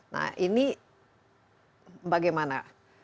nah ini bagaimana